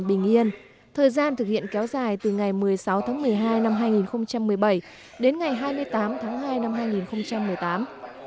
bình yên thời gian thực hiện kéo dài từ ngày một mươi sáu tháng một mươi hai năm hai nghìn một mươi bảy đến ngày hai mươi tám tháng hai năm hai nghìn một mươi tám